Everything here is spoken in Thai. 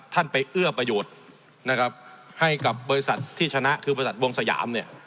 ท่านไปเอื้อประโยชน์นะครับให้กับบริษัทที่ชนะคือบริษัทวงสยามเนี่ย